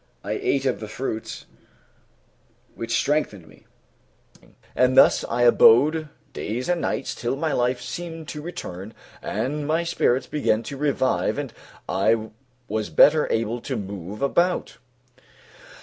I ate of the fruits, which strengthened me; and thus I abode days and nights, till my life seemed to return and my spirits began to revive and I was better able to move about.